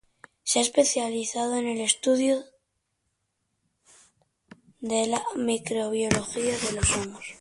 Se ha especializado en el estudio de la microbiología de los hongos.